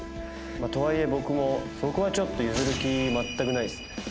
とはいえ僕もそこはちょっと譲る気全くないですね。